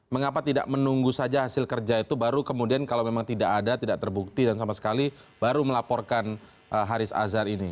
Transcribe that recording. mengapa tidak menunggu saja hasil kerja itu baru kemudian kalau memang tidak ada tidak terbukti dan sama sekali baru melaporkan haris azhar ini